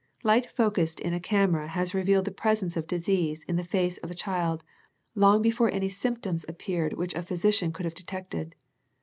Light focussed in a camera has re vealed the presence of disease in the face of a child long before any symptoms appeared which a physician could have detected.